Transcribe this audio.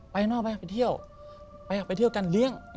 ไปข้างนอกไปเที่ยวการเลี้ยง